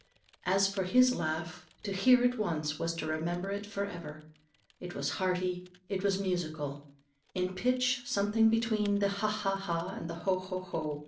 As for his laugh, to hear it once was to remember it for ever. It was hearty, it was musical; in pitch something between the Ha! ha! ha! and the HO! HO! HO!